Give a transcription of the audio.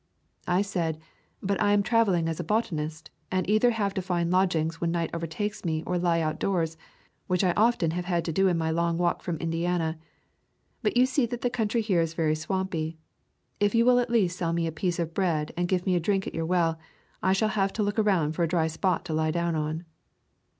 I said, "But I am traveling as a botanist and either have to find lodgings when night overtakes me or lie outdoors, which I often have had to doin my long walk from Indiana. But you see that the country here is very swampy; if you will at least sell me a piece of bread, and give me a drink at your well, I shall have to look around for a dry spot to lie down on."